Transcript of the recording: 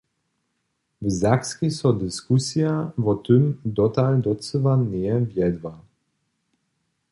W Sakskej so diskusija wo tym dotal docyła njeje wjedła.